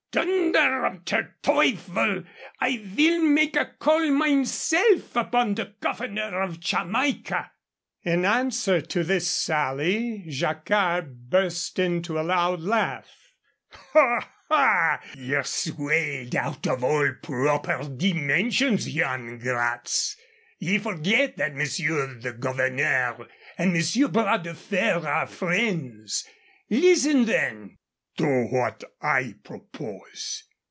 Tunder of der Teufel! I vill make a call mineself upon de covernor of Chamaica." In answer to this sally, Jacquard burst into a loud laugh. "Ha, ha! Ye're swelled out of all proper dimensions, Yan Gratz. Ye forget that Monsieur the Governor and Monsieur Bras de Fer are friends. Listen, then, to what I propose.